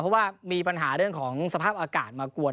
เพราะว่ามีปัญหาเรื่องของสภาพอากาศมากวน